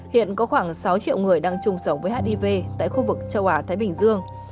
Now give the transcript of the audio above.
hiện có khoảng sáu triệu người đang chung sống với hiv tại khu vực châu á thái bình dương